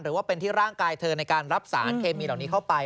หรือว่าเป็นที่ร่างกายเธอในการรับสารเคมีเหล่านี้เข้าไป